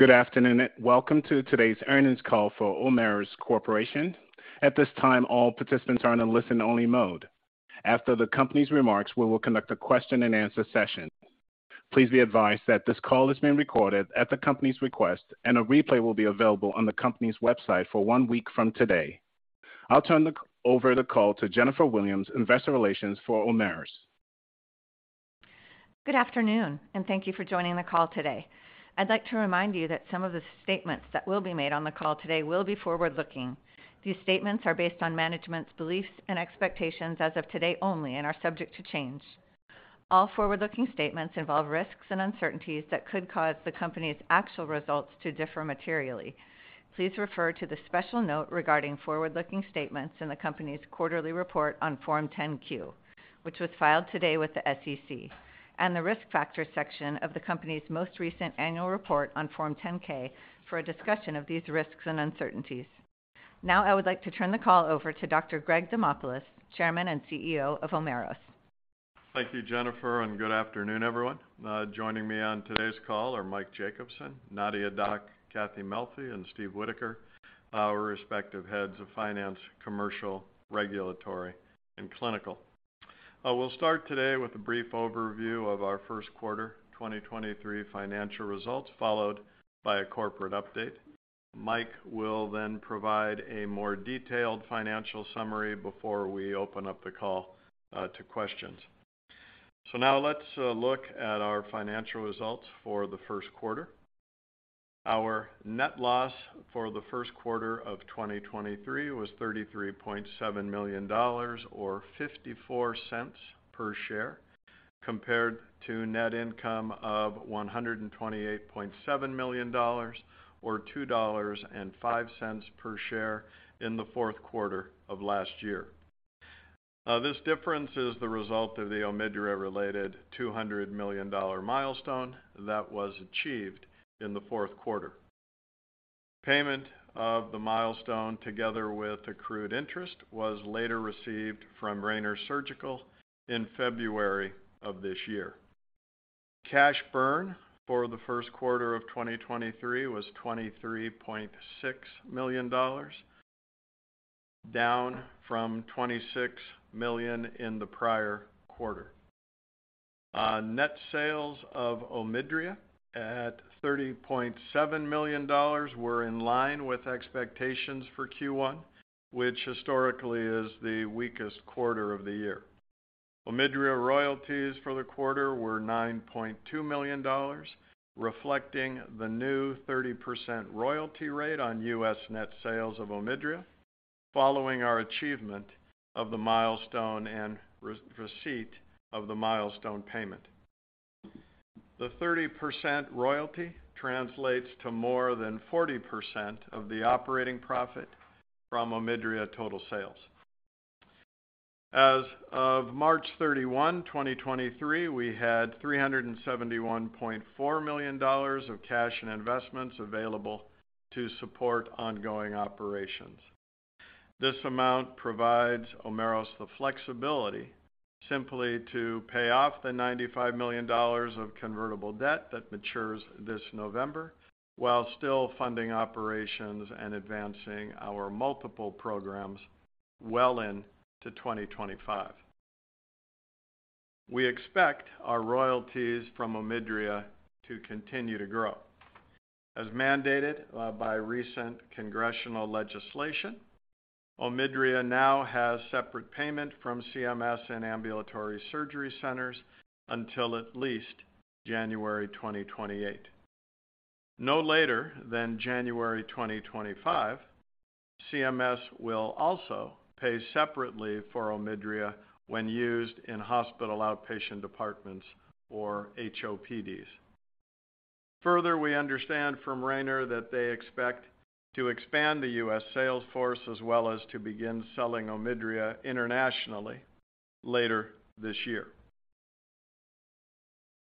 Good afternoon, and welcome to today's Earnings Call for Omeros Corporation. At this time, all participants are in a listen-only mode. After the company's remarks, we will conduct a question-and-answer session. Please be advised that this call is being recorded at the company's request, and a replay will be available on the company's website for one week from today. I'll turn over the call to Jennifer Williams, Investor Relations for Omeros. Good afternoon, and thank you for joining the call today. I'd like to remind you that some of the statements that will be made on the call today will be forward-looking. These statements are based on management's beliefs and expectations as of today only and are subject to change. All forward-looking statements involve risks and uncertainties that could cause the company's actual results to differ materially. Please refer to the special note regarding forward-looking statements in the company's quarterly report on Form 10-Q, which was filed today with the SEC, and the Risk Factors section of the company's most recent annual report on Form 10-K for a discussion of these risks and uncertainties. I would like to turn the call over to Dr. Greg Demopulos, Chairman and CEO of Omeros. Thank you, Jennifer. Good afternoon, everyone. Joining me on today's call are Mike Jacobsen, Nadia Dac, Cathy Melfi, and Steve Whitaker, our respective Heads of Finance, Commercial, Regulatory, and Clinical. We'll start today with a brief overview of our first quarter 2023 financial results, followed by a corporate update. Mike will provide a more detailed financial summary before we open up the call to questions. Now let's look at our financial results for the first quarter. Our net loss for the first quarter of 2023 was $33.7 million, or $0.54 per share, compared to net income of $128.7 million or $2.05 per share in the fourth quarter of last year. This difference is the result of the OMIDRIA-related $200 million milestone that was achieved in the fourth quarter. Payment of the milestone, together with accrued interest, was later received from Rayner Surgical in February of this year. Cash burn for the first quarter of 2023 was $23.6 million, down from $26 million in the prior quarter. Net sales of OMIDRIA at $30.7 million were in line with expectations for Q1, which historically is the weakest quarter of the year. OMIDRIA royalties for the quarter were $9.2 million, reflecting the new 30% royalty rate on U.S. net sales of OMIDRIA following our achievement of the milestone and re-receipt of the milestone payment. The 30% royalty translates to more than 40% of the operating profit from OMIDRIA total sales. As of March 31, 2023, we had $371.4 million of cash and investments available to support ongoing operations. This amount provides Omeros the flexibility simply to pay off the $95 million of convertible debt that matures this November while still funding operations and advancing our multiple programs well into 2025. We expect our royalties from OMIDRIA to continue to grow. As mandated by recent congressional legislation, OMIDRIA now has separate payment from CMS and ambulatory surgery centers until at least January 2028. No later than January 2025, CMS will also pay separately for OMIDRIA when used in hospital outpatient departments or HOPDs. We understand from Rayner that they expect to expand the U..S. sales force as well as to begin selling OMIDRIA internationally later this year.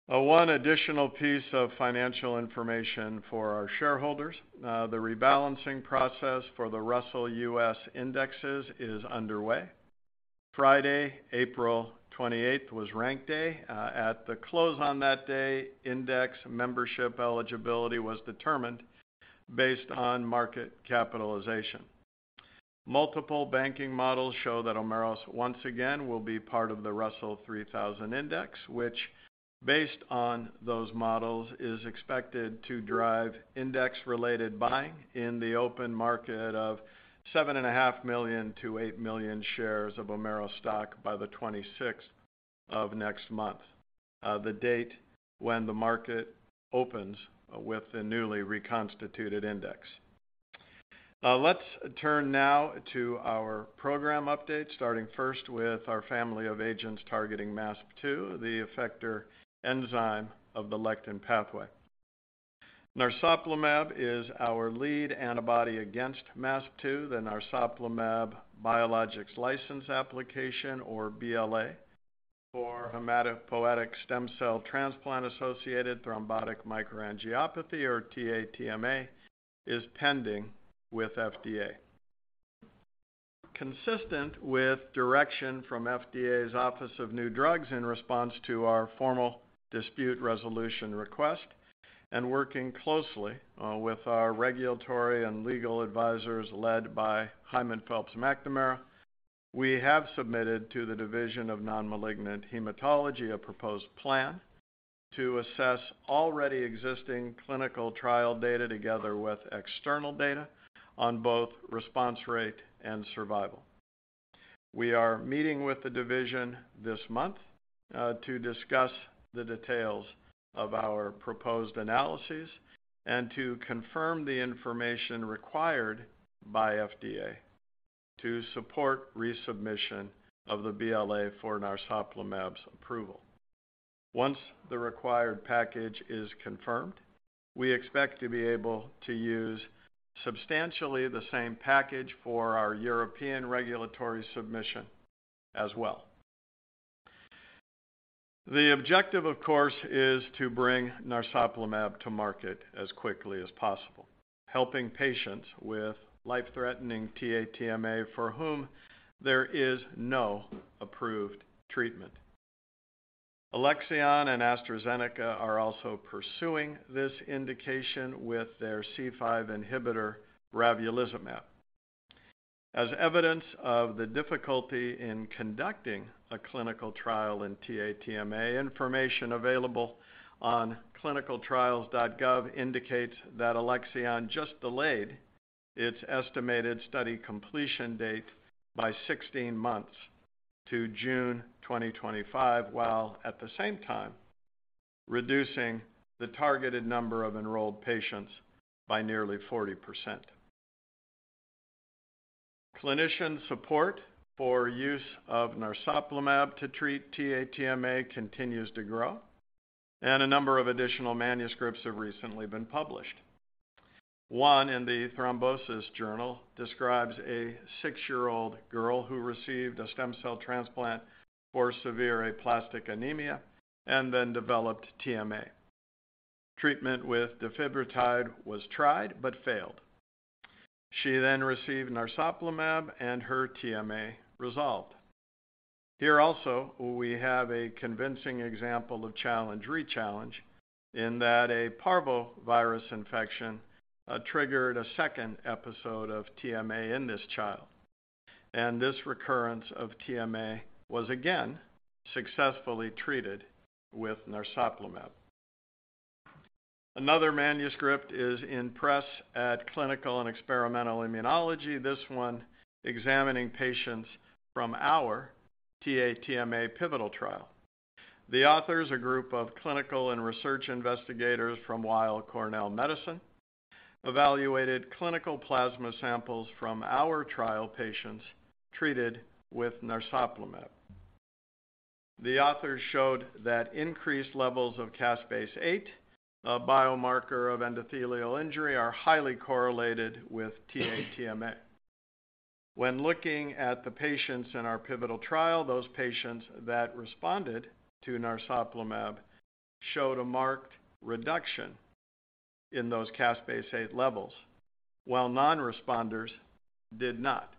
One additional piece of financial information for our shareholders. The rebalancing process for the Russell U.S. Indexes is underway. Friday, April 28th was rank day. At the close on that day, index membership eligibility was determined based on market capitalization. Multiple banking models show that Omeros once again will be part of the Russell 3000 index, which, based on those models, is expected to drive index-related buying in the open market of $7.5 million-$8 million shares of Omeros stock by the 26th of next month, the date when the market opens with the newly reconstituted index. Let's turn now to our program update, starting first with our family of agents targeting MASP-2, the effector enzyme of the lectin pathway. Narsoplimab is our lead antibody against MASP-2. The Narsoplimab biologics license application, or BLA, for hematopoietic stem cell transplant-associated thrombotic microangiopathy, or TATMA, is pending with FDA. Consistent with direction from FDA's Office of New Drugs in response to our formal dispute resolution request and working closely with our regulatory and legal advisors led by Hyman, Phelps & McNamara, we have submitted to the Division of Non-Malignant Hematology a proposed plan to assess already existing clinical trial data together with external data on both response rate and survival. We are meeting with the division this month to discuss the details of our proposed analyses and to confirm the information required by FDA to support resubmission of the BLA for Narsoplimab's approval. Once the required package is confirmed, we expect to be able to use substantially the same package for our European regulatory submission as well. The objective, of course, is to bring Narsoplimab to market as quickly as possible, helping patients with life-threatening TATMA for whom there is no approved treatment. Alexion and AstraZeneca are also pursuing this indication with their C5 inhibitor, Ravulizumab. As evidence of the difficulty in conducting a clinical trial in TATMA, information available on ClinicalTrials.gov indicates that Alexion just delayed its estimated study completion date by 16 months to June 2025, while at the same time reducing the targeted number of enrolled patients by nearly 40%. Clinician support for use of Narsoplimab to treat TATMA continues to grow, and a number of additional manuscripts have recently been published. One in the Thrombosis Journal describes a 6-year-old girl who received a stem cell transplant for severe aplastic anemia and then developed TMA. Treatment with defibrotide was tried but failed. She then received Narsoplimab, and her TMA resolved. Here also, we have a convincing example of challenge-rechallenge in that a parvovirus infection triggered a second episode of TMA in this child, and this recurrence of TMA was again successfully treated with Narsoplimab. Another manuscript is in press at Clinical & Experimental Immunology, this one examining patients from our TA-TMA pivotal trial. The authors, a group of clinical and research investigators from Weill Cornell Medicine, evaluated clinical plasma samples from our trial patients treated with Narsoplimab. The authors showed that increased levels of caspase-8, a biomarker of endothelial injury, are highly correlated with TA-TMA. When looking at the patients in our pivotal trial, those patients that responded to Narsoplimab showed a marked reduction in those caspase-8 levels, while non-responders did not.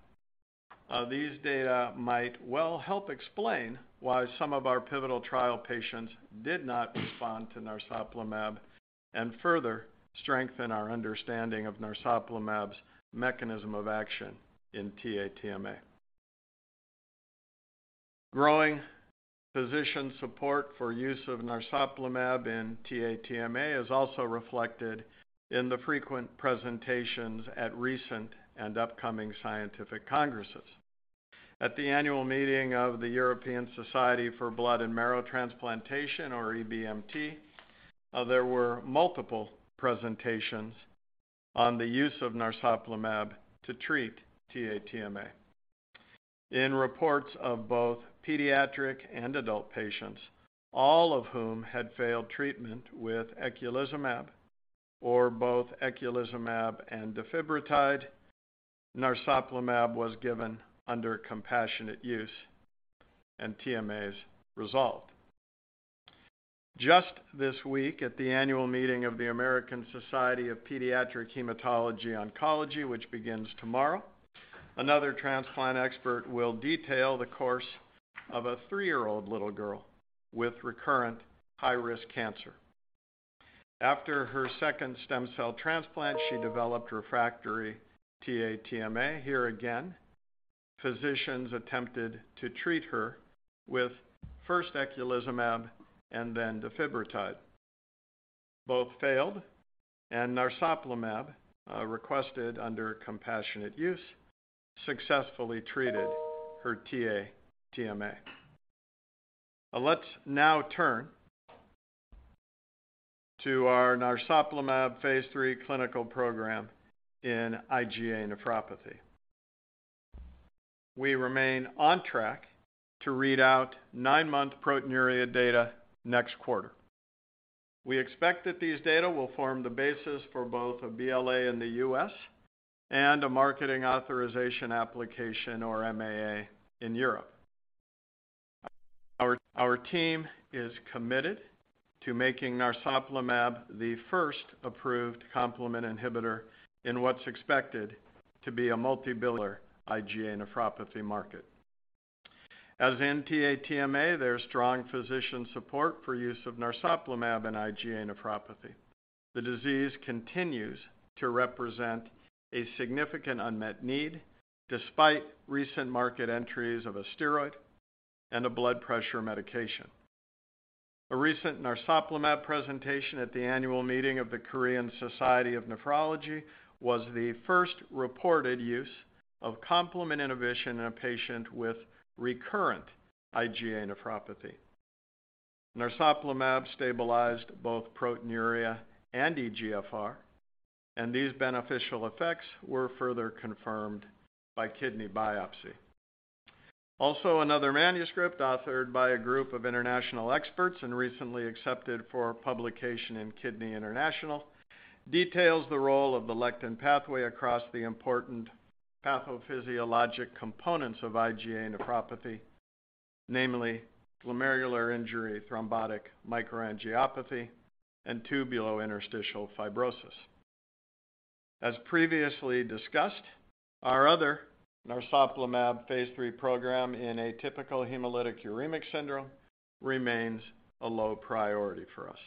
These data might well help explain why some of our pivotal trial patients did not respond to Narsoplimab and further strengthen our understanding of Narsoplimab's mechanism of action in TA-TMA. Growing physician support for use of Narsoplimab in TA-TMA is also reflected in the frequent presentations at recent and upcoming scientific congresses. At the annual meeting of the European Society for Blood and Marrow Transplantation, or EBMT, there were multiple presentations on the use of Narsoplimab to treat TA-TMA. In reports of both pediatric and adult patients, all of whom had failed treatment with eculizumab or both eculizumab and defibrotide, Narsoplimab was given under compassionate use, and TMAs resolved. Just this week at the annual meeting of the American Society of Pediatric Hematology/Oncology, which begins tomorrow, another transplant expert will detail the course of a three-year-old little girl with recurrent high-risk cancer. After her second stem cell transplant, she developed refractory TA-TMA. Here again, physicians attempted to treat her with first eculizumab and then defibrotide. Both failed. Narsoplimab, requested under compassionate use, successfully treated her TA-TMA. Let's now turn to our Narsoplimab Phase III clinical program in IgA nephropathy. We remain on track to read out 9-month proteinuria data next quarter. We expect that these data will form the basis for both a BLA in the U.S. and a marketing authorization application or MAA in Europe. Our team is committed to making Narsoplimab the first approved complement inhibitor in what's expected to be a $multi-billion IgA nephropathy market. As in TA-TMA, there's strong physician support for use of Narsoplimab in IgA nephropathy. The disease continues to represent a significant unmet need despite recent market entries of a steroid and a blood pressure medication. A recent Narsoplimab presentation at the annual meeting of the Korean Society of Nephrology was the first reported use of complement inhibition in a patient with recurrent IgA nephropathy. Narsoplimab stabilized both proteinuria and eGFR. These beneficial effects were further confirmed by kidney biopsy. Another manuscript authored by a group of international experts and recently accepted for publication in Kidney International, details the role of the lectin pathway across the important pathophysiologic components of IgA nephropathy, namely glomerular injury, thrombotic microangiopathy, and tubulointerstitial fibrosis. As previously discussed, our other Narsoplimab Phase III program in atypical hemolytic uremic syndrome remains a low priority for us.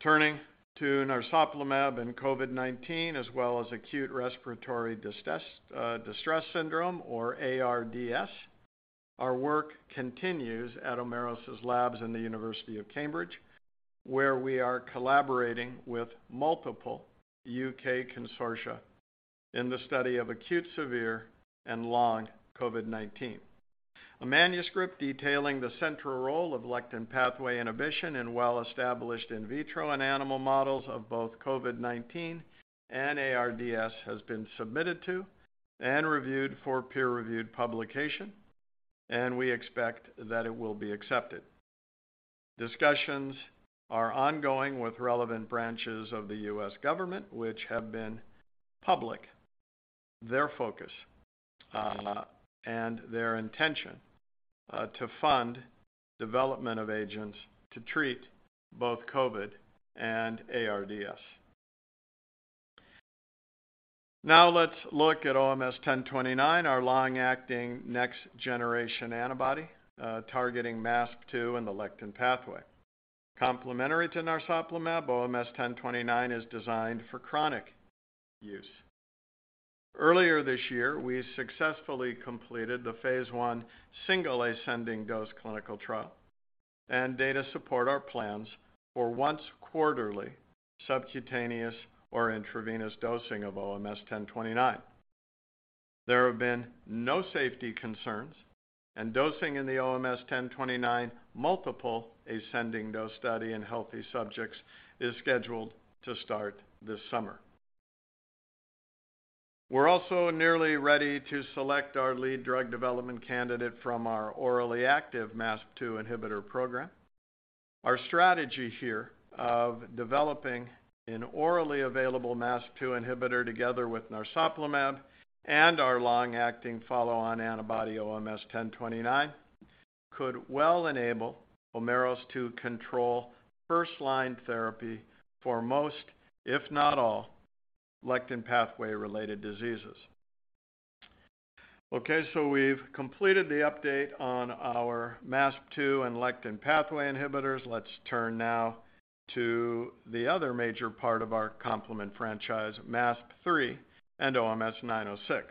Turning to Narsoplimab and COVID-19, as well as acute respiratory distress syndrome or ARDS. Our work continues at Omeros' labs in the University of Cambridge, where we are collaborating with multiple UK consortia in the study of acute, severe, and long COVID-19. A manuscript detailing the central role of lectin pathway inhibition in well-established in vitro and animal models of both COVID-19 and ARDS has been submitted to and reviewed for peer-reviewed publication, and we expect that it will be accepted. Discussions are ongoing with relevant branches of the U.S. government, which have been public, their focus, and their intention to fund development of agents to treat both COVID and ARDS. Now let's look at OMS 1029, our long-acting next generation antibody, targeting MASP-2 and the lectin pathway. Complementary to Narsoplimab, OMS 1029 is designed for chronic use. Earlier this year, we successfully completed the Phase I single ascending dose clinical trial and data support our plans for once quarterly subcutaneous or intravenous dosing of OMS 1029. There have been no safety concerns, and dosing in the OMS ten twenty-nine multiple ascending dose study in healthy subjects is scheduled to start this summer. We're also nearly ready to select our lead drug development candidate from our orally active MASP-2 inhibitor program. Our strategy here of developing an orally available MASP-2 inhibitor together with Narsoplimab and our long-acting follow-on antibody OMS ten twenty-nine could well enable Omeros to control first-line therapy for most, if not all, lectin pathway-related diseases. We've completed the update on our MASP-2 and lectin pathway inhibitors. Let's turn now to the other major part of our complement franchise, MASP-3 and OMS-ninety six.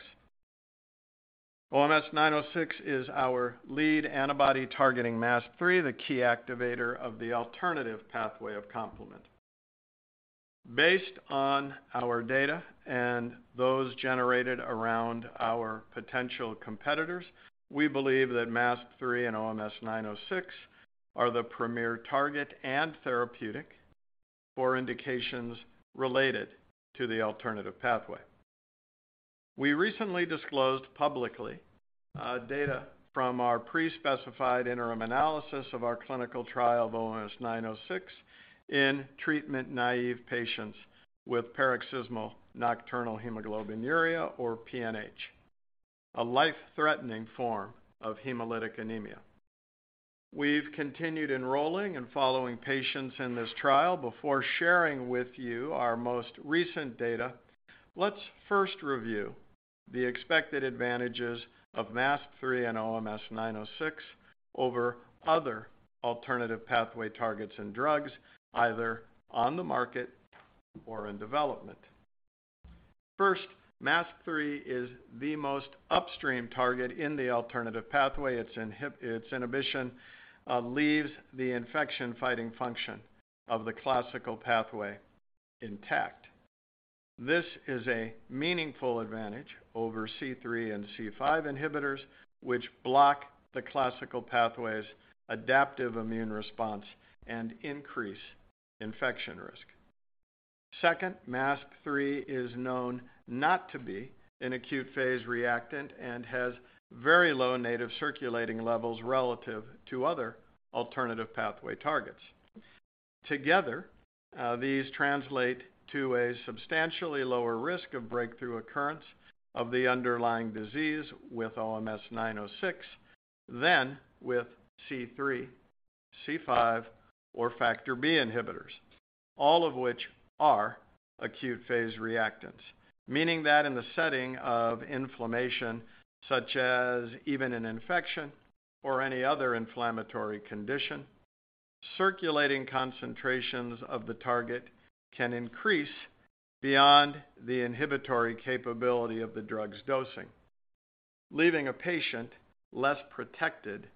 OMS-ninety six is our lead antibody targeting MASP-3, the key activator of the alternative pathway of complement. Based on our data and those generated around our potential competitors, we believe that MASP-3 and OMS-ninety six are the premier target and therapeutic for indications related to the alternative pathway. We recently disclosed publicly data from our pre-specified interim analysis of our clinical trial of OMS-ninety six in Treatment-naïve patients with paroxysmal nocturnal hemoglobinuria, or PNH, a life-threatening form of hemolytic anemia. We've continued enrolling and following patients in this trial. Before sharing with you our most recent data, let's first review the expected advantages of MASP-3 and OMS-ninety six over other alternative pathway targets and drugs, either on the market or in development. First, MASP-3 is the most upstream target in the alternative pathway. Its inhibition leaves the infection fighting function of the classical pathway intact. This is a meaningful advantage over C3 and C5 inhibitors, which block the classical pathway's adaptive immune response and increase infection risk. Second, MASP-3 is known not to be an acute phase reactant and has very low native circulating levels relative to other alternative pathway targets. Together, these translate to a substantially lower risk of breakthrough occurrence of the underlying disease with OMS-906 than with C3, C5, or factor B inhibitors. All of which are acute phase reactants, meaning that in the setting of inflammation, such as even an infection or any other inflammatory condition, circulating concentrations of the target can increase beyond the inhibitory capability of the drug's dosing, leaving a patient less protected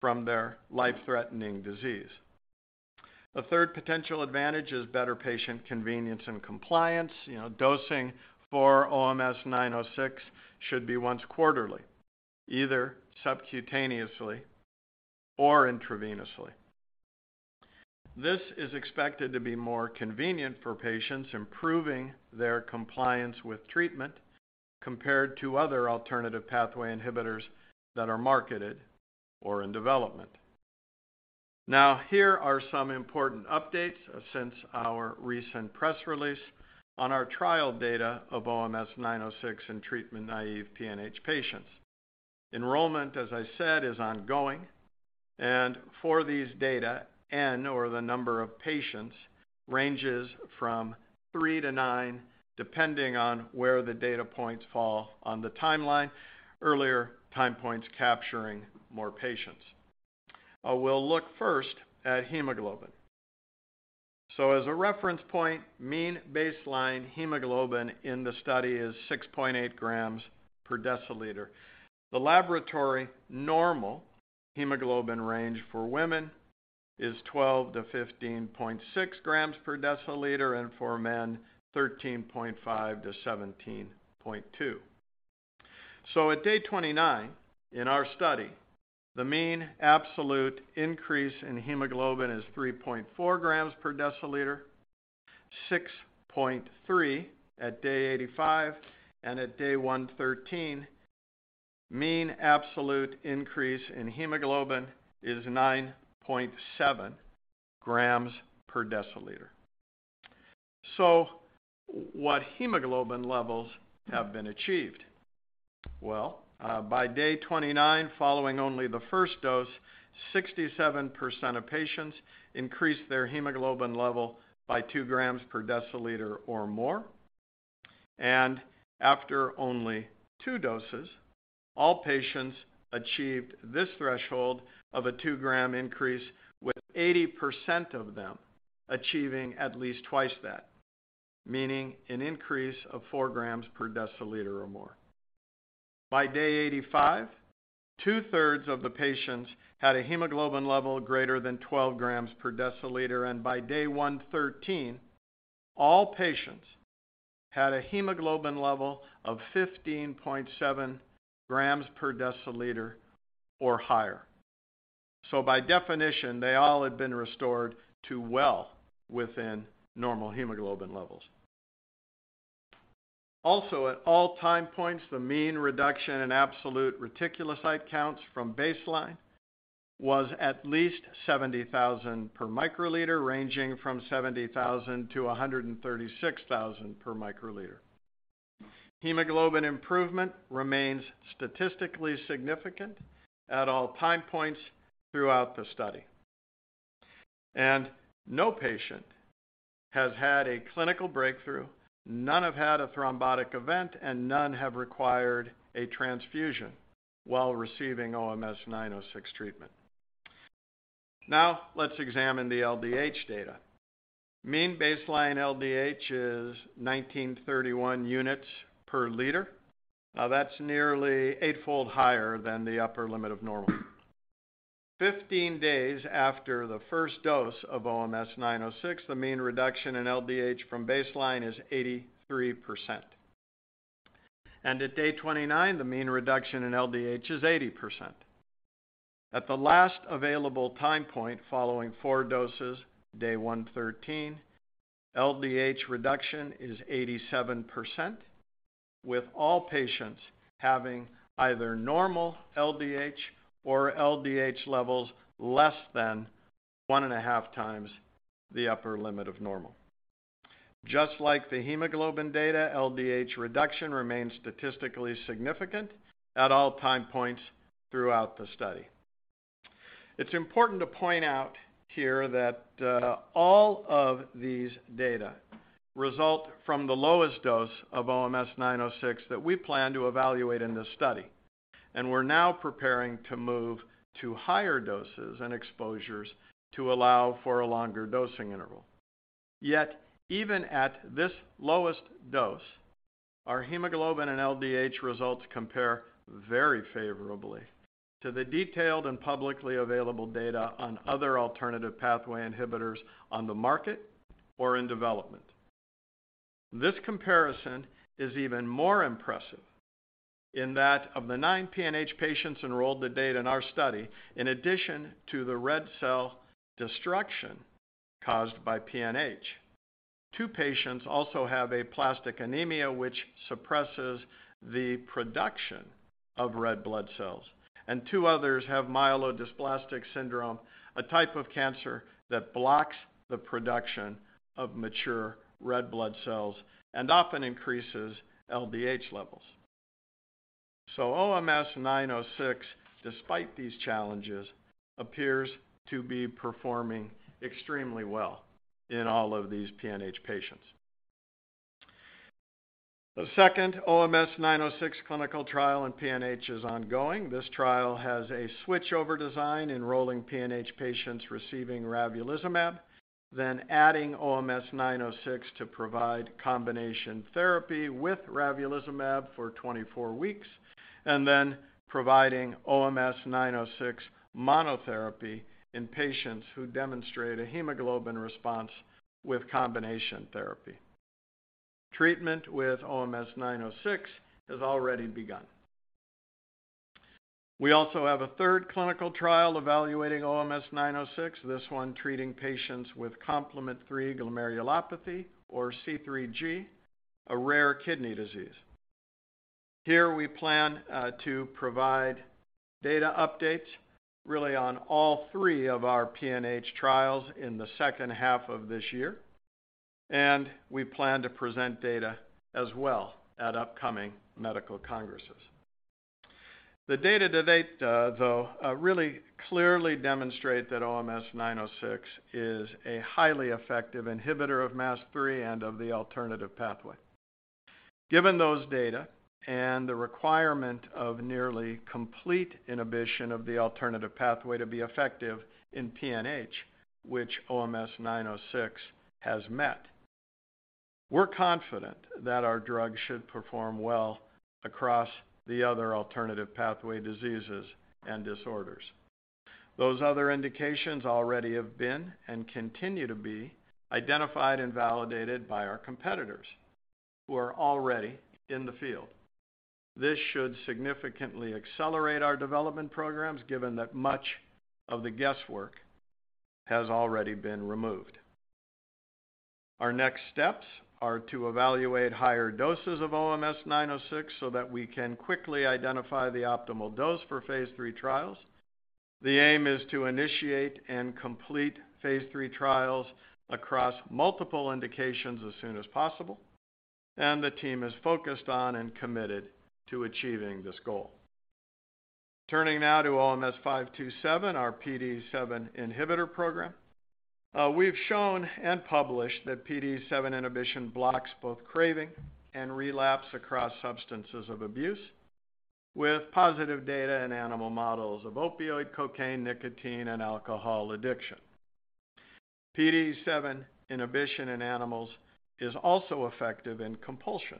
from their life-threatening disease. The third potential advantage is better patient convenience and compliance. You know, dosing for OMS-906 should be once quarterly, either subcutaneously or intravenously. This is expected to be more convenient for patients, improving their compliance with treatment compared to other alternative pathway inhibitors that are marketed or in development. Here are some important updates since our recent press release on our trial data of OMS-906 in Treatment-naïve PNH patients. Enrollment, as I said, is ongoing, for these data, N, or the number of patients, ranges from three to nine, depending on where the data points fall on the timeline, earlier time points capturing more patients. We'll look first at hemoglobin. As a reference point, mean baseline hemoglobin in the study is 6.8 grams per deciliter. The laboratory normal hemoglobin range for women is 12-15.6 grams per deciliter, and for men, 13.5-17.2. At day 29 in our study, the mean absolute increase in hemoglobin is 3.4 grams per deciliter, 6.3 at day 85, and at day 113, mean absolute increase in hemoglobin is 9.7 grams per deciliter. What hemoglobin levels have been achieved? Well, by day 29, following only the first dose, 67% of patients increased their hemoglobin level by two grams per deciliter or more. After only two doses, all patients achieved this threshold of a two-gram increase, with 80% of them achieving at least twice that, meaning an increase of four grams per deciliter or more. By day 85, two-thirds of the patients had a hemoglobin level greater than 12 grams per deciliter, and by day 113, all patients had a hemoglobin level of 15.7 grams per deciliter or higher. By definition, they all had been restored to well within normal hemoglobin levels. Also, at all time points, the mean reduction in absolute reticulocyte counts from baseline was at least 70,000 per microliter, ranging from 70,000-136,000 per microliter. Hemoglobin improvement remains statistically significant at all time points throughout the study. No patient has had a clinical breakthrough, none have had a thrombotic event, and none have required a transfusion while receiving OMS-906 treatment. Now let's examine the LDH data. Mean baseline LDH is 1,931 units per liter. That's nearly eightfold higher than the upper limit of normal. 15 days after the first dose of OMS-906, the mean reduction in LDH from baseline is 83%. At day 29, the mean reduction in LDH is 80%. At the last available time point following four doses, day 113, LDH reduction is 87%, with all patients having either normal LDH or LDH levels less than 1.5 times the upper limit of normal. Just like the hemoglobin data, LDH reduction remains statistically significant at all time points throughout the study. It's important to point out here that all of these data result from the lowest dose of OMS-906 that we plan to evaluate in this study, we're now preparing to move to higher doses and exposures to allow for a longer dosing interval. Even at this lowest dose, our hemoglobin and LDH results compare very favorably to the detailed and publicly available data on other alternative pathway inhibitors on the market or in development. This comparison is even more impressive in that of the 9 PNH patients enrolled to date in our study, in addition to the red cell destruction caused by PNH. 2 patients also have aplastic anemia, which suppresses the production of red blood cells, and 2 others have myelodysplastic syndrome, a type of cancer that blocks the production of mature red blood cells and often increases LDH levels. OMS-906, despite these challenges, appears to be performing extremely well in all of these PNH patients. The second OMS-906 clinical trial in PNH is ongoing. This trial has a switchover design enrolling PNH patients receiving ravulizumab, then adding OMS-906 to provide combination therapy with ravulizumab for 24 weeks, and then providing OMS-906 monotherapy in patients who demonstrate a hemoglobin response with combination therapy. Treatment with OMS-906 has already begun. We also have a third clinical trial evaluating OMS-906, this one treating patients with complement 3 glomerulopathy or C3G, a rare kidney disease. Here we plan to provide data updates really on all three of our PNH trials in the second half of this year. We plan to present data as well at upcoming medical congresses. The data to date, though, really clearly demonstrate that OMS-906 is a highly effective inhibitor of MASP-3 and of the alternative pathway. Given those data and the requirement of nearly complete inhibition of the alternative pathway to be effective in PNH, which OMS-906 has met, we're confident that our drug should perform well across the other alternative pathway diseases and disorders. Those other indications already have been and continue to be identified and validated by our competitors who are already in the field. This should significantly accelerate our development programs, given that much of the guesswork has already been removed. Our next steps are to evaluate higher doses of OMS-906 so that we can quickly identify the optimal dose for Phase III trials. The aim is to initiate and complete Phase III trials across multiple indications as soon as possible. The team is focused on and committed to achieving this goal. Turning now to OMS-527, our PDE7 inhibitor program. We've shown and published that PDE7 inhibition blocks both craving and relapse across substances of abuse with positive data in animal models of opioid, cocaine, nicotine, and alcohol addiction. PDE7 inhibition in animals is also effective in compulsion.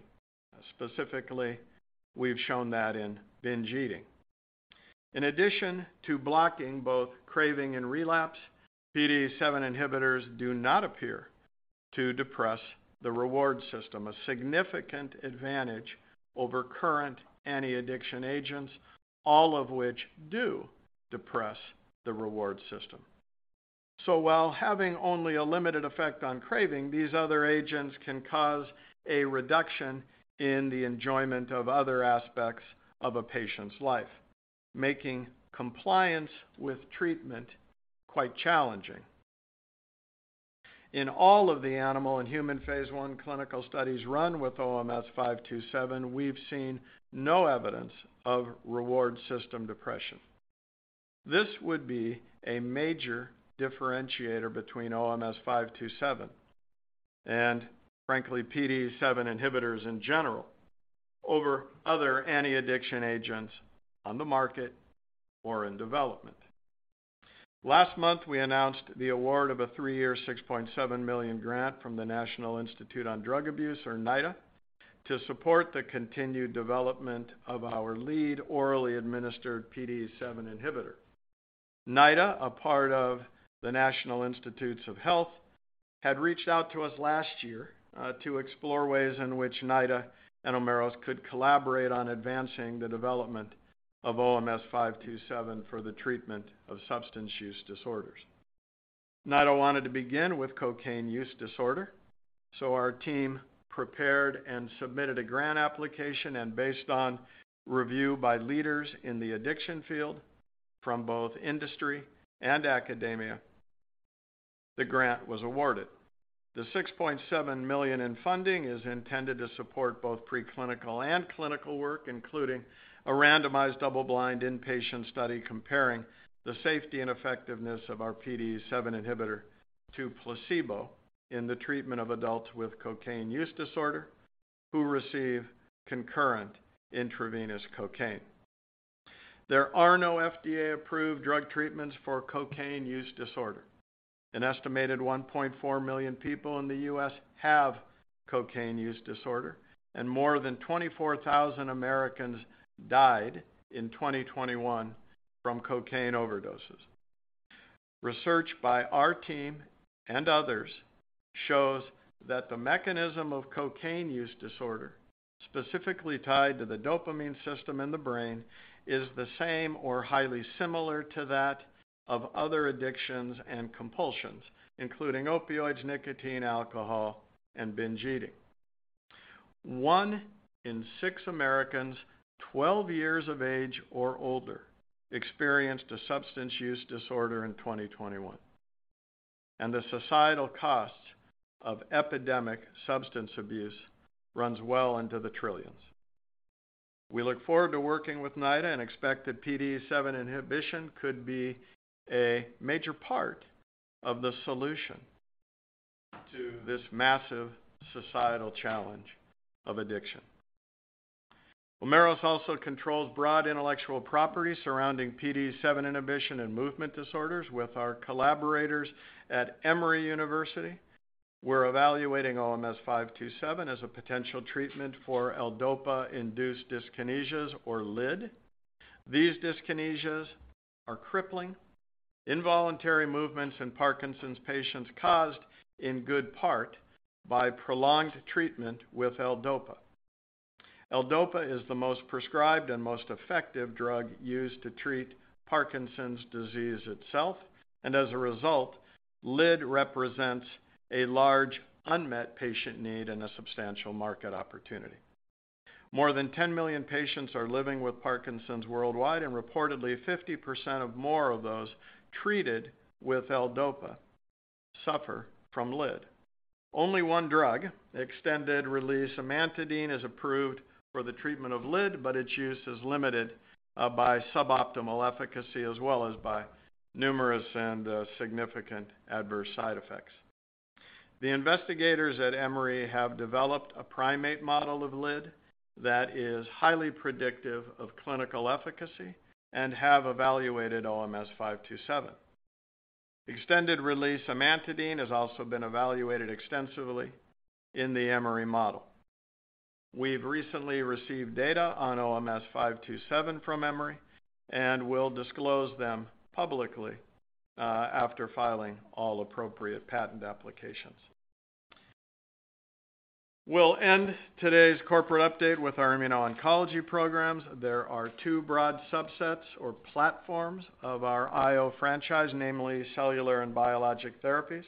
Specifically, we've shown that in binge eating. In addition to blocking both craving and relapse, PDE7 inhibitors do not appear to depress the reward system, a significant advantage over current anti-addiction agents, all of which do depress the reward system. While having only a limited effect on craving, these other agents can cause a reduction in the enjoyment of other aspects of a patient's life, making compliance with treatment quite challenging. In all of the animal and human Phase I clinical studies run with OMS-five two seven, we've seen no evidence of reward system depression. This would be a major differentiator between OMS-five two seven and frankly, PDE7 inhibitors in general over other anti-addiction agents on the market or in development. Last month, we announced the award of a 3-year, $6.7 million grant from the National Institute on Drug Abuse, or NIDA, to support the continued development of our lead orally administered PDE7 inhibitor. NIDA, a part of the National Institutes of Health, had reached out to us last year to explore ways in which NIDA and Omeros could collaborate on advancing the development of OMS-five two seven for the treatment of substance use disorders. NIDA wanted to begin with cocaine use disorder. Our team prepared and submitted a grant application, and based on review by leaders in the addiction field from both industry and academia, the grant was awarded. The $6.7 million in funding is intended to support both preclinical and clinical work, including a randomized double-blind inpatient study comparing the safety and effectiveness of our PDE7 inhibitor to placebo in the treatment of adults with cocaine use disorder who receive concurrent intravenous cocaine. There are no FDA-approved drug treatments for cocaine use disorder. An estimated 1.4 million people in the U.S. have cocaine use disorder, and more than 24,000 Americans died in 2021 from cocaine overdoses. Research by our team and others shows that the mechanism of cocaine use disorder specifically tied to the dopamine system in the brain is the same or highly similar to that of other addictions and compulsions, including opioids, nicotine, alcohol, and binge eating. One in six Americans 12 years of age or older experienced a substance use disorder in 2021, and the societal costs of epidemic substance abuse runs well into the trillions. We look forward to working with NIDA and expect that PDE7 inhibition could be a major part of the solution to this massive societal challenge of addiction. Omeros also controls broad intellectual property surrounding PDE7 inhibition and movement disorders with our collaborators at Emory University. We're evaluating OMS-five two seven as a potential treatment for L-DOPA-induced dyskinesias or LID. These dyskinesias are crippling involuntary movements in Parkinson's patients caused in good part by prolonged treatment with L-DOPA. L-DOPA is the most prescribed and most effective drug used to treat Parkinson's disease itself. As a result, LID represents a large unmet patient need and a substantial market opportunity. More than 10 million patients are living with Parkinson's worldwide. Reportedly 50% of more of those treated with L-DOPA suffer from LID. Only one drug, extended-release amantadine, is approved for the treatment of LID. Its use is limited by suboptimal efficacy as well as by numerous and significant adverse side effects. The investigators at Emory have developed a primate model of LID that is highly predictive of clinical efficacy and have evaluated OMS-five two seven. Extended-release amantadine has also been evaluated extensively in the Emory model. We've recently received data on OMS-five two seven from Emory, and we'll disclose them publicly after filing all appropriate patent applications. We'll end today's corporate update with our immuno-oncology programs. There are two broad subsets or platforms of our IO franchise, namely cellular and biologic therapies,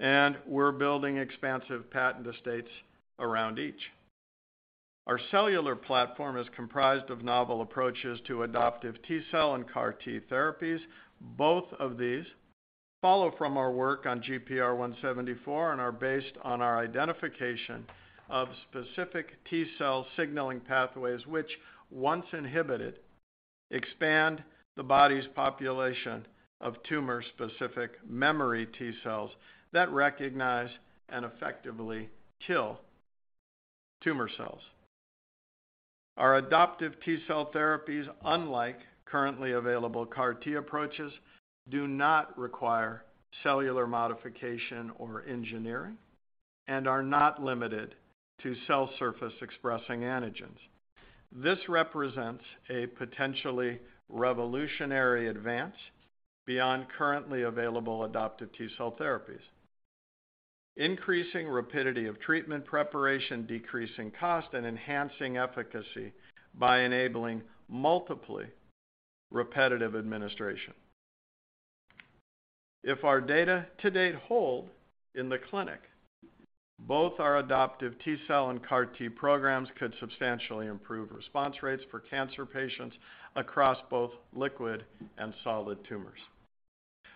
and we're building expansive patent estates around each. Our cellular platform is comprised of novel approaches to adoptive T-cell and CAR-T therapies. Both of these follow from our work on GPR174 and are based on our identification of specific T-cell signaling pathways, which, once inhibited, expand the body's population of tumor-specific memory T-cells that recognize and effectively kill tumor cells. Our adoptive T-cell therapies, unlike currently available CAR-T approaches, do not require cellular modification or engineering and are not limited to cell surface expressing antigens. This represents a potentially revolutionary advance beyond currently available adoptive T-cell therapies, increasing rapidity of treatment preparation, decreasing cost, and enhancing efficacy by enabling multiply repetitive administration. If our data to date hold in the clinic, both our adoptive T-cell and CAR-T programs could substantially improve response rates for cancer patients across both liquid and solid tumors.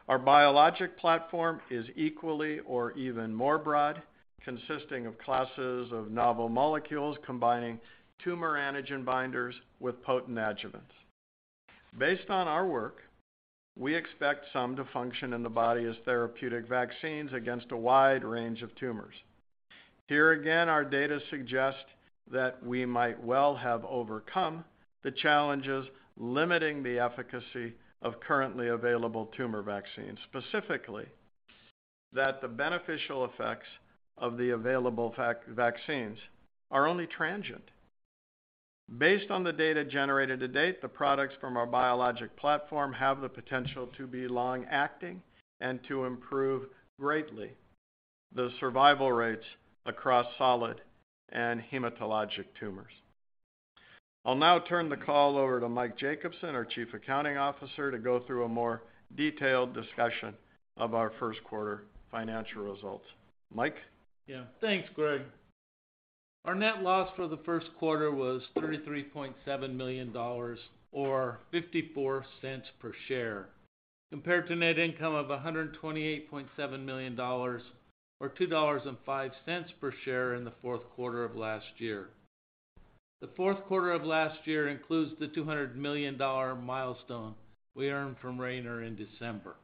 Our biologic platform is equally or even more broad, consisting of classes of novel molecules combining tumor antigen binders with potent adjuvants. Based on our work, we expect some to function in the body as therapeutic vaccines against a wide range of tumors. Here again, our data suggest that we might well have overcome the challenges limiting the efficacy of currently available tumor vaccines, specifically that the beneficial effects of the available vaccines are only transient. Based on the data generated to date, the products from our biologic platform have the potential to be long-acting and to improve greatly the survival rates across solid and hematologic tumors. I'll now turn the call over to Mike Jacobsen, our Chief Accounting Officer, to go through a more detailed discussion of our first quarter financial results. Mike? Yeah. Thanks, Greg. Our net loss for the first quarter was $33.7 million or $0.54 per share compared to net income of $128.7 million or $2.05 per share in the fourth quarter of last year. The fourth quarter of last year includes the $200 million milestone we earned from Rayner in December.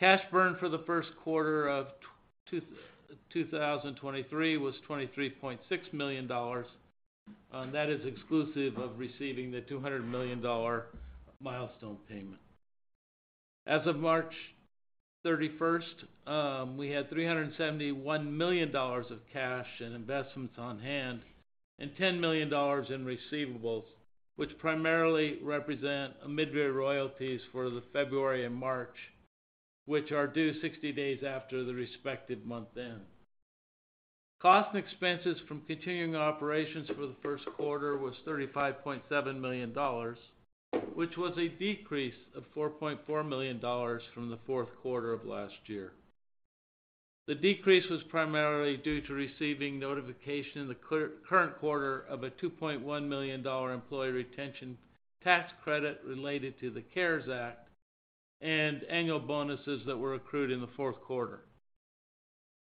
Cash burn for the first quarter of 2023 was $23.6 million, and that is exclusive of receiving the $200 million milestone payment. As of March 31st, we had $371 million of cash and investments on hand and $10 million in receivables, which primarily represent OMIDRIA royalties for the February and March which are due 60 days after the respective month end. Cost and expenses from continuing operations for the first quarter was $35.7 million, which was a decrease of $4.4 million from the fourth quarter of last year. The decrease was primarily due to receiving notification in the current quarter of a $2.1 million employee retention tax credit related to the CARES Act and annual bonuses that were accrued in the fourth quarter.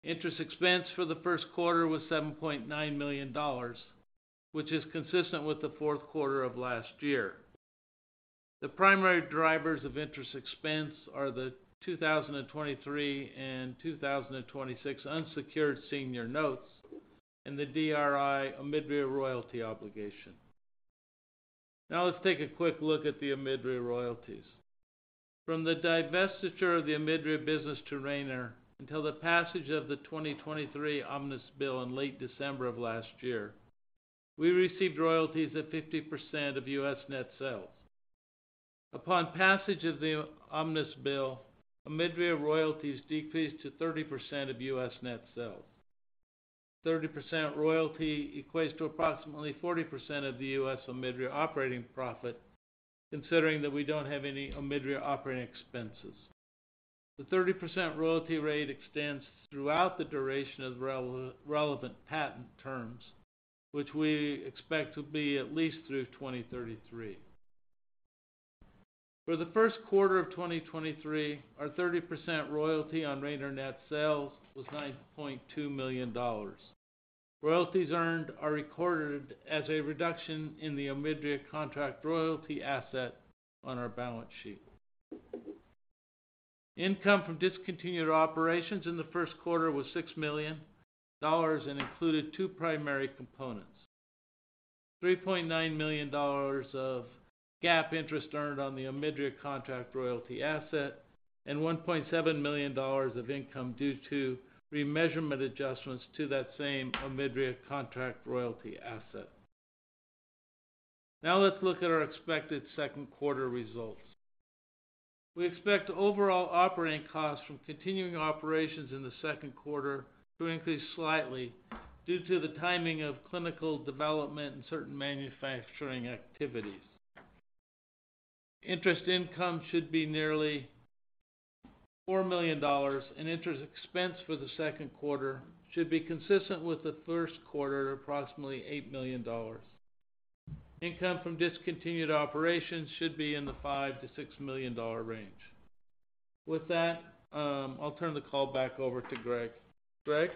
Interest expense for the first quarter was $7.9 million, which is consistent with the fourth quarter of last year. The primary drivers of interest expense are the 2023 and 2026 unsecured senior notes and the DRI OMIDRIA royalty obligation. Now let's take a quick look at the OMIDRIA royalties. From the divestiture of the OMIDRIA business to Rayner until the passage of the 2023 Omnibus bill in late December of last year, we received royalties at 50% of U.S. net sales. Upon passage of the Omnibus bill, OMIDRIA royalties decreased to 30% of U.S. net sales. 30% royalty equates to approximately 40% of the U.S. OMIDRIA operating profit, considering that we don't have any OMIDRIA operating expenses. The 30% royalty rate extends throughout the duration of the relevant patent terms, which we expect to be at least through 2033. For the first quarter of 2023, our 30% royalty on Rayner net sales was $9.2 million. Royalties earned are recorded as a reduction in the OMIDRIA contract royalty asset on our balance sheet. Income from discontinued operations in the first quarter was $6 million and included two primary components: $3.9 million of GAAP interest earned on the Omidria contract royalty asset and $1.7 million of income due to remeasurement adjustments to that same Omidria contract royalty asset. Let's look at our expected second quarter results. We expect overall operating costs from continuing operations in the second quarter to increase slightly due to the timing of clinical development and certain manufacturing activities. Interest income should be nearly $4 million, interest expense for the second quarter should be consistent with the first quarter at approximately $8 million. Income from discontinued operations should be in the $5 million-$6 million range. With that, I'll turn the call back over to Greg. Greg?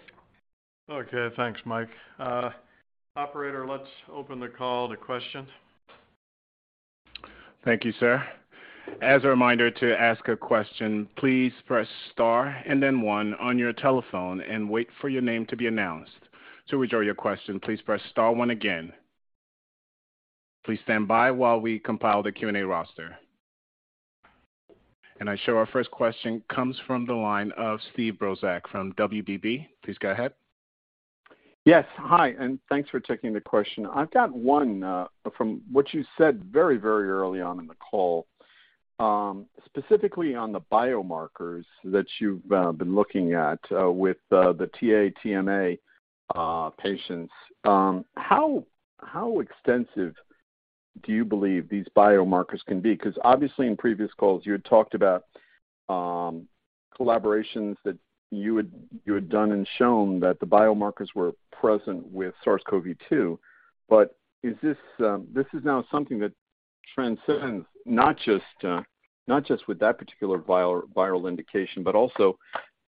Okay, thanks, Mike. Operator, let's open the call to questions. Thank you, sir. As a reminder, to ask a question, please press star and then 1 on your telephone and wait for your name to be announced. To withdraw your question, please press star 1 again. Please stand by while we compile the Q&A roster. I show our first question comes from the line of Steve Brozak from WBB. Please go ahead. Yes. Hi, thanks for taking the question. I've got one from what you said very, very early on in the call, specifically on the biomarkers that you've been looking at with the TA-TMA patients. How extensive do you believe these biomarkers can be? 'Cause obviously in previous calls you had talked about collaborations that you had done and shown that the biomarkers were present with SARS-CoV-2. Is this now something that transcends not just with that particular viral indication, but also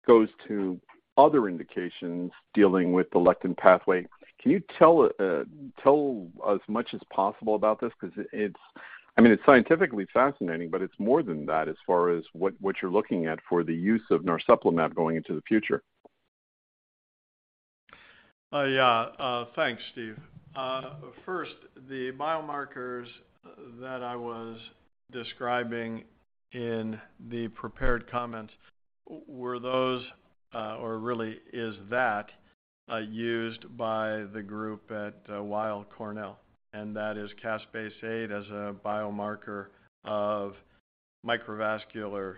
goes to other indications dealing with the lectin pathway? Can you tell as much as possible about this? 'Cause it's, I mean, it's scientifically fascinating, but it's more than that as far as what you're looking at for the use of Narsoplimab going into the future. Yeah. Thanks, Steve. First, the biomarkers that I was describing in the prepared comments were those, or really is that, used by the group at Weill Cornell, and that is caspase-8 as a biomarker of microvascular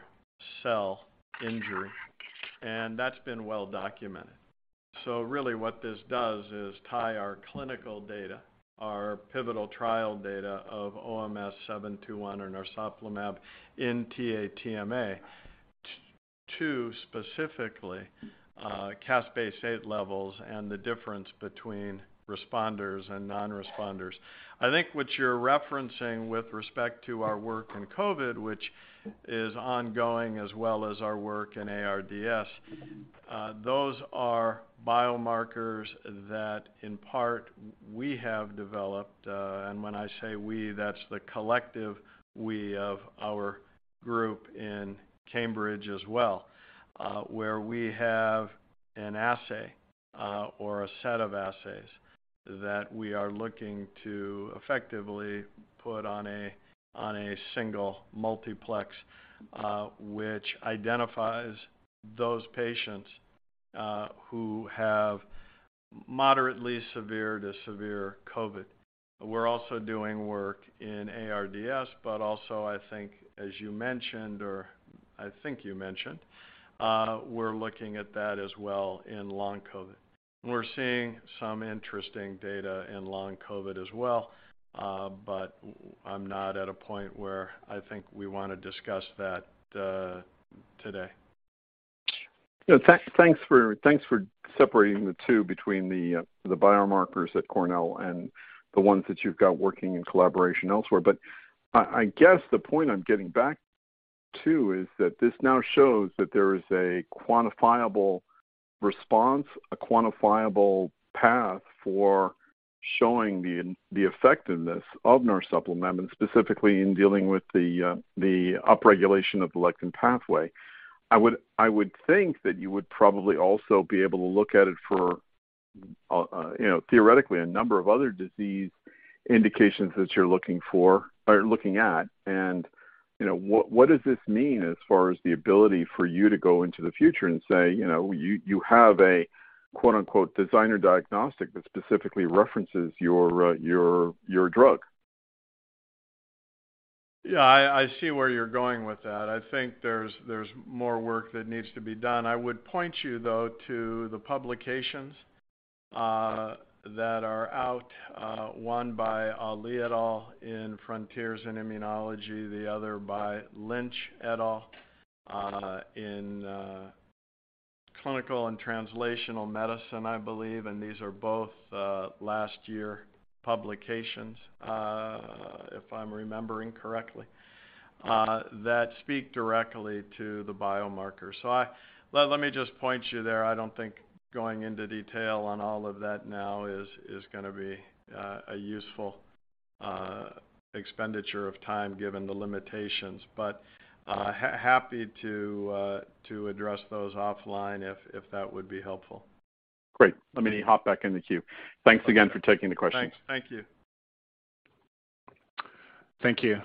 cell injury, and that's been well documented. Really what this does is tie our clinical data, our pivotal trial data of OMS721 or Narsoplimab in TA-TMA to specifically caspase-8 levels and the difference between responders and non-responders. I think what you're referencing with respect to our work in COVID, which is ongoing, as well as our work in ARDS, those are biomarkers that in part we have developed, and when I say we, that's the collective we of our group in Cambridge as well, where we have an assay or a set of assays that we are looking to effectively put on a single multiplex, which identifies those patients who have moderately severe to severe COVID. We're also doing work in ARDS, but also I think as you mentioned, or I think you mentioned, we're looking at that as well in long COVID. We're seeing some interesting data in long COVID as well, but I'm not at a point where I think we wanna discuss that today. Yeah. Thanks for separating the two between the biomarkers at Cornell and the ones that you've got working in collaboration elsewhere. I guess the point I'm getting back to is that this now shows that there is a quantifiable response, a quantifiable path for showing the effectiveness of Narsoplimab, and specifically in dealing with the upregulation of the lectin pathway. I would think that you would probably also be able to look at it for, you know, theoretically a number of other disease indications that you're looking for or looking at. You know, what does this mean as far as the ability for you to go into the future and say, you know, you have a quote, unquote "designer diagnostic" that specifically references your drug? Yeah. I see where you're going with that. I think there's more work that needs to be done. I would point you though to the publications that are out, one by Ali et al. in Frontiers in Immunology, the other by Lynch et al. in Clinical and Translational Medicine, I believe, and these are both last year publications, if I'm remembering correctly, that speak directly to the biomarkers. Let me just point you there. I don't think going into detail on all of that now is gonna be a useful expenditure of time given the limitations. Happy to address those offline if that would be helpful. Great. Let me hop back in the queue. Thanks again for taking the questions. Thanks. Thank you. Thank you.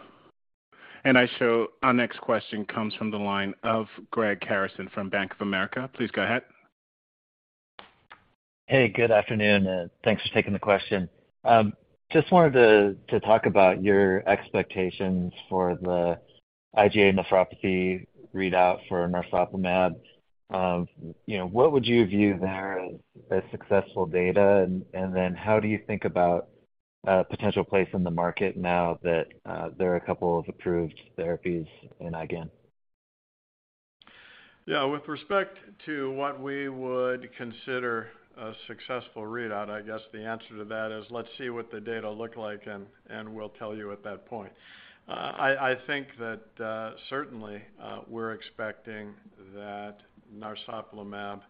I show our next question comes from the line of Greg Harrison from Bank of America. Please go ahead. Hey, good afternoon, and thanks for taking the question. Just wanted to talk about your expectations for the IgA nephropathy readout for Narsoplimab. You know, what would you view there as successful data? How do you think about a potential place in the market now that there are a couple of approved therapies in IgA? Yeah. With respect to what we would consider a successful readout, I guess the answer to that is, let's see what the data look like and we'll tell you at that point. I think that certainly we're expecting that Narsoplimab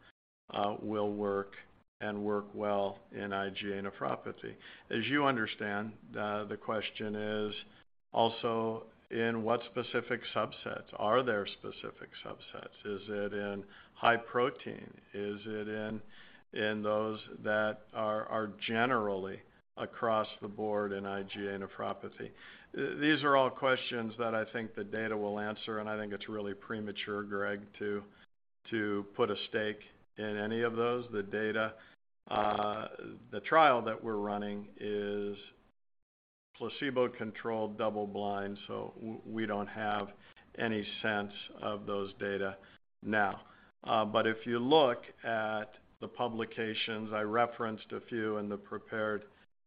will work and work well in IgA nephropathy. As you understand, the question is also in what specific subsets. Are there specific subsets? Is it in high protein? Is it in those that are generally across the board in IgA nephropathy? These are all questions that I think the data will answer, and I think it's really premature, Greg, to put a stake in any of those. The data. The trial that we're running is placebo-controlled, double-blind, so we don't have any sense of those data now. If you look at the publications, I referenced a few in the prepared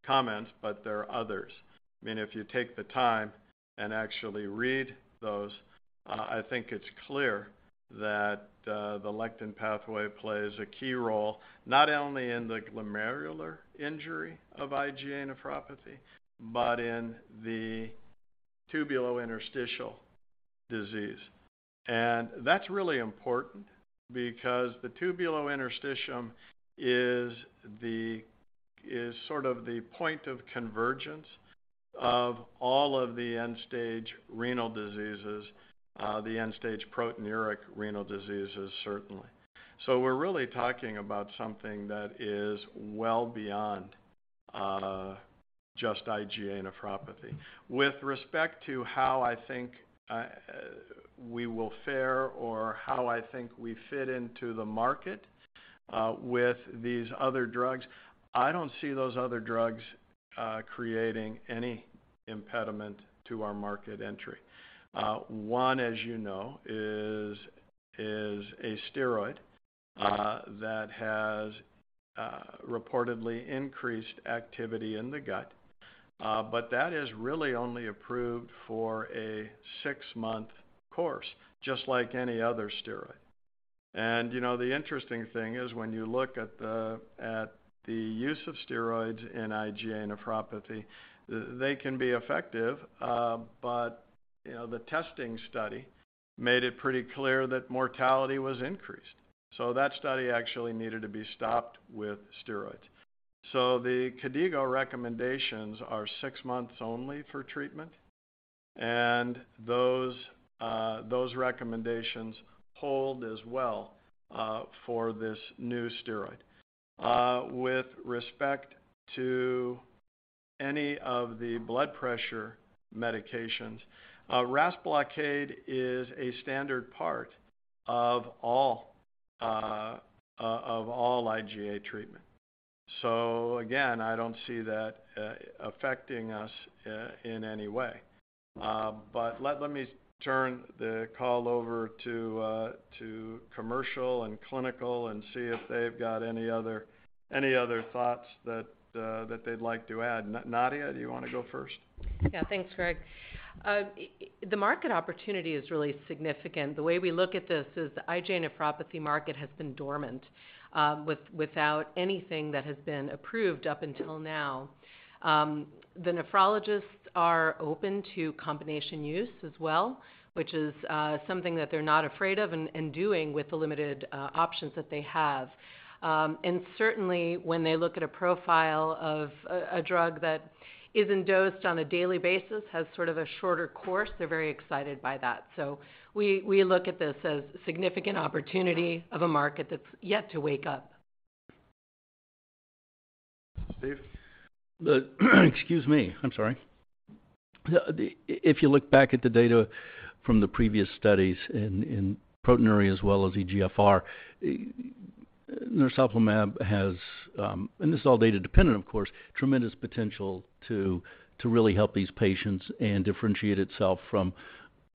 comments, but there are others, and if you take the time and actually read those, I think it's clear that the lectin pathway plays a key role, not only in the glomerular injury of IgA nephropathy but in the tubulointerstitial disease. That's really important because the tubulointerstitium is sort of the point of convergence of all of the end-stage renal diseases, the end-stage proteinuria renal diseases, certainly. We're really talking about something that is well beyond just IgA nephropathy. With respect to how I think we will fare or how I think we fit into the market with these other drugs, I don't see those other drugs creating any impediment to our market entry. One, as you know, is a steroid that has reportedly increased activity in the gut, but that is really only approved for a six-month course, just like any other steroid. You know, the interesting thing is when you look at the use of steroids in IgA nephropathy, they can be effective, but, you know, the testing study made it pretty clear that mortality was increased. That study actually needed to be stopped with steroids. The KDOQI recommendations are six months only for treatment, and those recommendations hold as well for this new steroid. With respect to any of the blood pressure medications. RAS blockade is a standard part of all of all IgA treatment. Again, I don't see that affecting us in any way. Let me turn the call over to commercial and clinical and see if they've got any other thoughts that they'd like to add. Nadia, do you wanna go first? Yeah. Thanks, Greg. The market opportunity is really significant. The way we look at this is the IgA nephropathy market has been dormant, without anything that has been approved up until now. The nephrologists are open to combination use as well, which is something that they're not afraid of and doing with the limited options that they have. Certainly, when they look at a profile of a drug that is dosed on a daily basis, has sort of a shorter course, they're very excited by that. We look at this as significant opportunity of a market that's yet to wake up. Steve? Excuse me. I'm sorry. If you look back at the data from the previous studies in proteinuria as well as eGFR, Narsoplimab has, and this is all data dependent of course, tremendous potential to really help these patients and differentiate itself from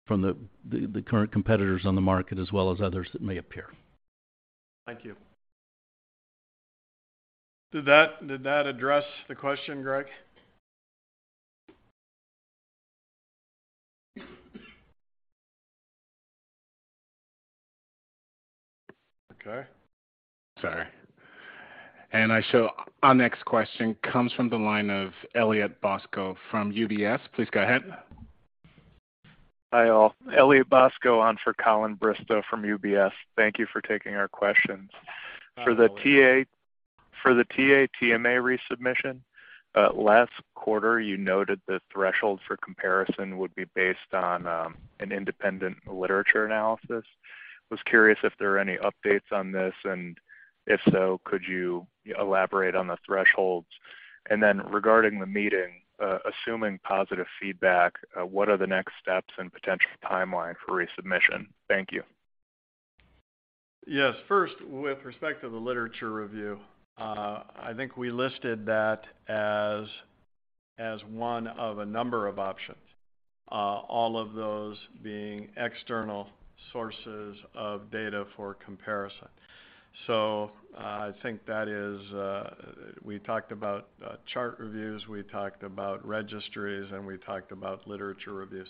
the current competitors on the market as well as others that may appear. Thank you. Did that address the question, Greg? Okay. Sorry. I show our next question comes from the line of Elliott Bosco from UBS. Please go ahead. Hi, all. Elliott Bosco on for Colin Bristow from UBS. Thank you for taking our questions. No worries. For the TA/TMA resubmission, last quarter, you noted the threshold for comparison would be based on an independent literature analysis. Was curious if there are any updates on this, and if so, could you elaborate on the thresholds? Regarding the meeting, assuming positive feedback, what are the next steps and potential timeline for resubmission? Thank you. Yes. First, with respect to the literature review, I think we listed that as one of a number of options. All of those being external sources of data for comparison. I think that is, we talked about chart reviews, we talked about registries, and we talked about literature reviews.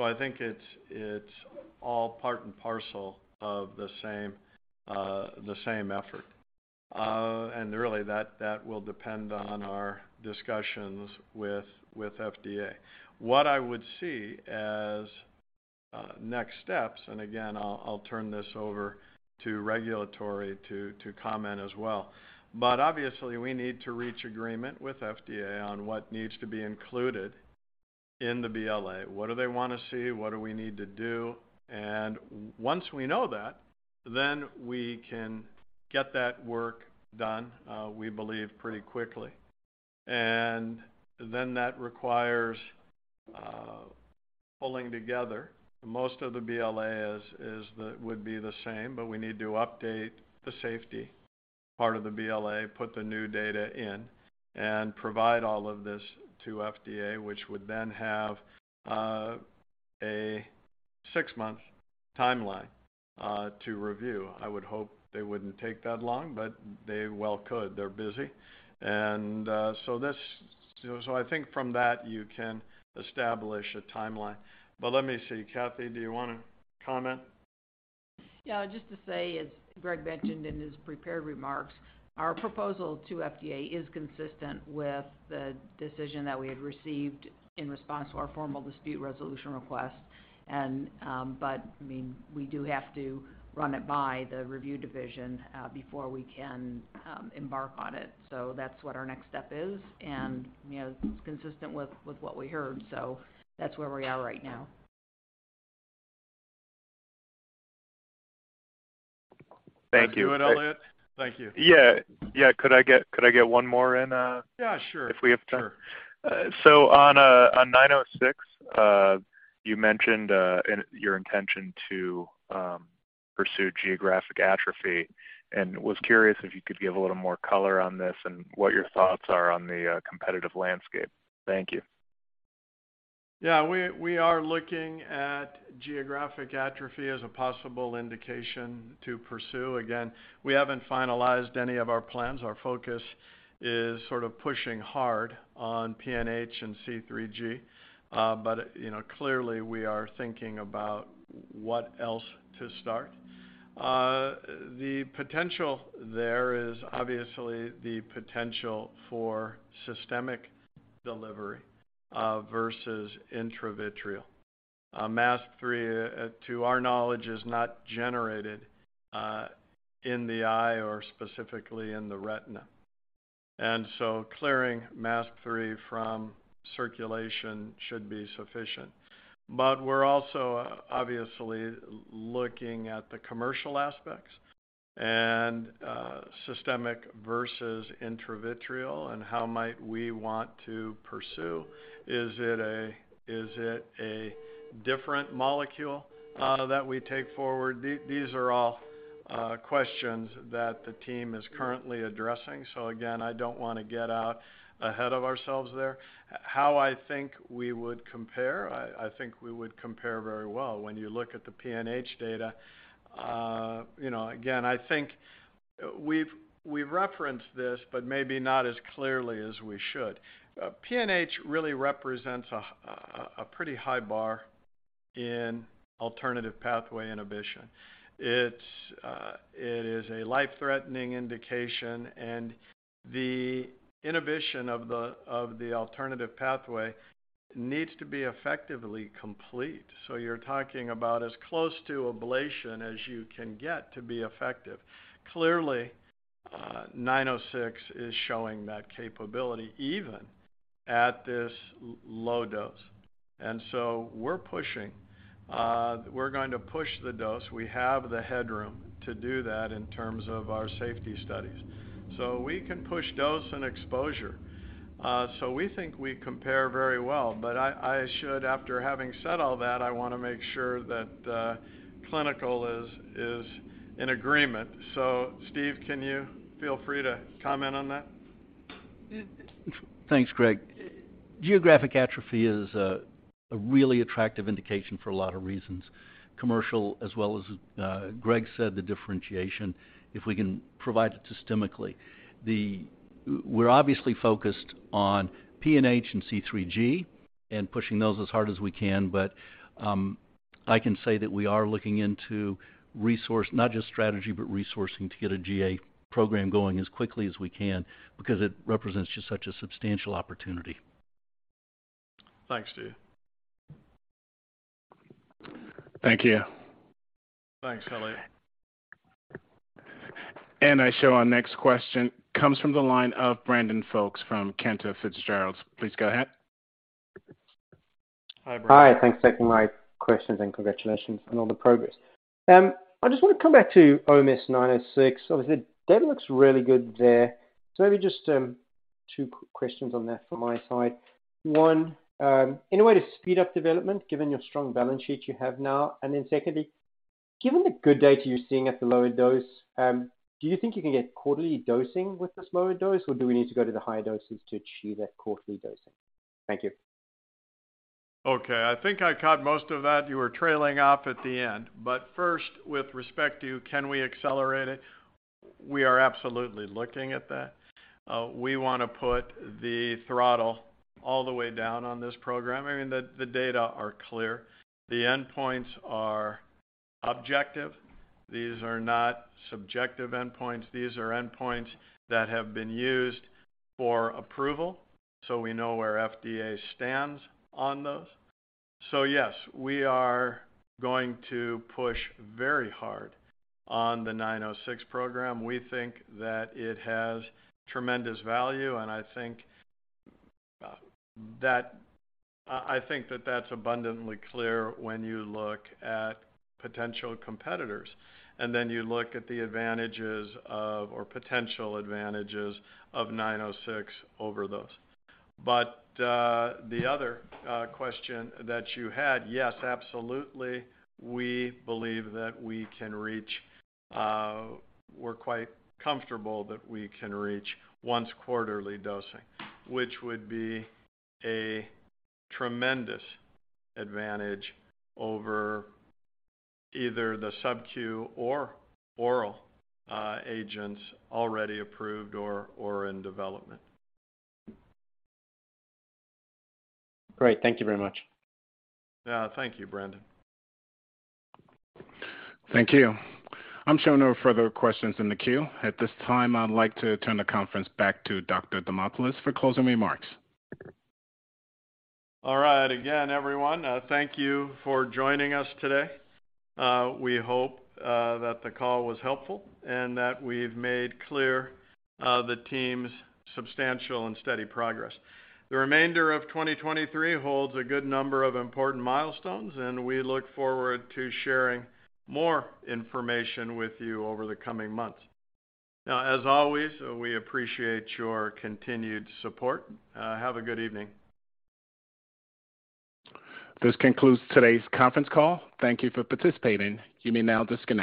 I think it's all part and parcel of the same, the same effort. Really that will depend on our discussions with FDA. What I would see as next steps, again, I'll turn this over to regulatory to comment as well. Obviously, we need to reach agreement with FDA on what needs to be included in the BLA. What do they wanna see? What do we need to do? Once we know that, then we can get that work done, we believe pretty quickly. Then that requires pulling together. Most of the BLA would be the same, but we need to update the safety part of the BLA, put the new data in, and provide all of this to FDA, which would then have a 6-month timeline to review. I would hope they wouldn't take that long, but they well could. They're busy. I think from that you can establish a timeline. Let me see. Kathy, do you wanna comment? Yeah. Just to say, as Greg mentioned in his prepared remarks, our proposal to FDA is consistent with the decision that we had received in response to our formal dispute resolution request. I mean, we do have to run it by the review division before we can embark on it. That's what our next step is. You know, it's consistent with what we heard. That's where we are right now. Thank you. That do it, Elliott? Thank you. Yeah. Yeah. Could I get one more in? Yeah, sure. if we have time? Sure. On Nine oh six, you mentioned your intention to pursue geographic atrophy, and was curious if you could give a little more color on this and what your thoughts are on the competitive landscape. Thank you. Yeah. We are looking at geographic atrophy as a possible indication to pursue. Again, we haven't finalized any of our plans. Our focus is sort of pushing hard on PNH and C3G. You know, clearly we are thinking about what else to start. The potential there is obviously the potential for systemic delivery versus intravitreal. MASP-3, to our knowledge, is not generated in the eye or specifically in the retina. Clearing MASP-3 from-Circulation should be sufficient. We're also obviously looking at the commercial aspects and systemic versus intravitreal and how might we want to pursue. Is it a different molecule that we take forward? These are all questions that the team is currently addressing. Again, I don't wanna get out ahead of ourselves there. How I think we would compare, I think we would compare very well. When you look at the PNH data, you know, again, I think we've referenced this but maybe not as clearly as we should. PNH really represents a pretty high bar in alternative pathway inhibition. It's, it is a life-threatening indication, and the inhibition of the alternative pathway needs to be effectively complete. You're talking about as close to ablation as you can get to be effective. Clearly, nine oh six is showing that capability even at this low dose. We're pushing. We're going to push the dose. We have the headroom to do that in terms of our safety studies. We can push dose and exposure. We think we compare very well, but I should, after having said all that, I wanna make sure that the clinical is in agreement. Steve, can you feel free to comment on that? Thanks, Greg. Geographic atrophy is a really attractive indication for a lot of reasons, commercial as well as, Greg said the differentiation, if we can provide it systemically. We're obviously focused on PNH and C3G and pushing those as hard as we can. I can say that we are looking into resource, not just strategy, but resourcing to get a GA program going as quickly as we can because it represents just such a substantial opportunity. Thanks, Steve. Thank you. Thanks, Elliott. I show our next question comes from the line of Brandon Folkes from Cantor Fitzgerald. Please go ahead. Hi, Brandon. Hi. Thanks for taking my questions, and congratulations on all the progress. I just want to come back to OMS nine oh six. Obviously, data looks really good there. Maybe just 2 quick questions on that from my side. 1, any way to speed up development given your strong balance sheet you have now? Secondly, given the good data you're seeing at the lower dose, do you think you can get quarterly dosing with this lower dose, or do we need to go to the higher doses to achieve that quarterly dosing? Thank you. Okay. I think I caught most of that. You were trailing off at the end. First, with respect to can we accelerate it, we are absolutely looking at that. We wanna put the throttle all the way down on this program. I mean, the data are clear. The endpoints are objective. These are not subjective endpoints. These are endpoints that have been used for approval, so we know where FDA stands on those. Yes, we are going to push very hard on the Nine oh six program. We think that it has tremendous value, and I think that that's abundantly clear when you look at potential competitors, and then you look at the advantages of or potential advantages of Nine oh six over those. The other question that you had, yes, absolutely. We believe that we can reach, we're quite comfortable that we can reach once quarterly dosing, which would be a tremendous advantage over either the subq or oral, agents already approved or in development. Great. Thank you very much. Yeah. Thank you, Brandon. Thank you. I'm showing no further questions in the queue. At this time, I'd like to turn the conference back to Dr. Demopulos for closing remarks. All right. Again, everyone, thank you for joining us today. We hope that the call was helpful and that we've made clear the team's substantial and steady progress. The remainder of 2023 holds a good number of important milestones, and we look forward to sharing more information with you over the coming months. Now, as always, we appreciate your continued support. Have a good evening. This concludes today's conference call. Thank you for participating. You may now disconnect.